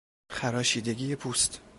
خراشیدگی پوست